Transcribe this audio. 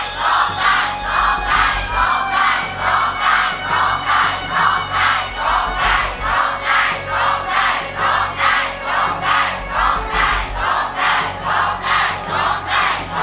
โชคได้โชคได้โชคได้โชคได้